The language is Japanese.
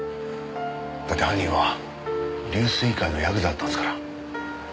だって犯人は龍翠会のヤクザだったんですから。